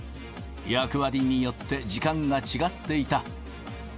役割によって時間が違っていた。